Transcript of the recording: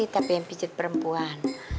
tapi yang pijet perempuan